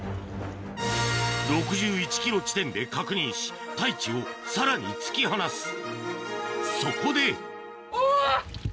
６１ｋｍ地点で確認し太一をさらに突き放すそこでおぉ！